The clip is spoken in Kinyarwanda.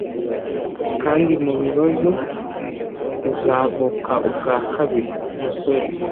kandi mubibazo uzavuka ubwa kabiri, musore